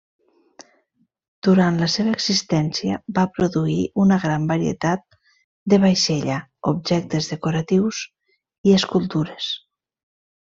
Durant la seva existència, va produir una gran varietat de vaixella, objectes decoratius i escultures.